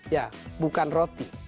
ya bukan roti